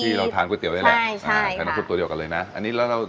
เราทานก๋วยเตี๋นี่แหละใช่อ่าใส่น้ำคุดตัวเดียวกันเลยนะอันนี้แล้วเรา